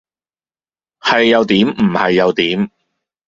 係又點唔係有點？